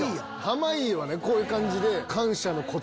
濱家はこういう感じで。